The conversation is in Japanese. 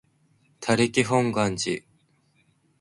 他力本願寺